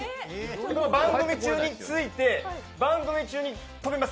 番組中に着いて番組中に飛びます。